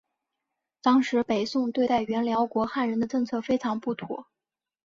当时北宋对待原辽国汉人的政策非常不妥。